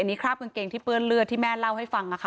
อันนี้คราบกางเกงที่เปื้อนเลือดที่แม่เล่าให้ฟังนะคะ